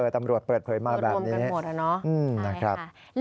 ตำรวจเปิดเผยมาแบบนี้นะครับตำรวจเปิดเผยมาแบบนี้